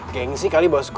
geng sih kali bosku